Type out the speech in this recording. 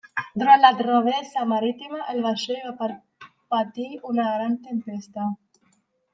Durant la travessa marítima el vaixell va patir una gran tempesta.